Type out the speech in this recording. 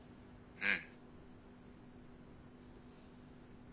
うん。